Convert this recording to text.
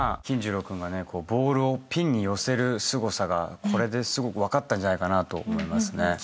金次郎君がボールをピンに寄せるすごさがこれで分かったんじゃないかなと思いますね。